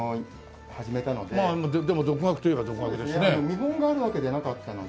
見本があるわけじゃなかったので。